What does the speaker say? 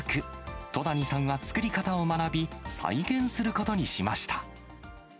戸谷さんは作り方を学び、再現することにしました。